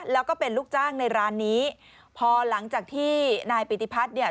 แล้วก็เป็นลูกจ้างในร้านนี้พอหลังจากที่นายปิติพัฒน์เนี่ย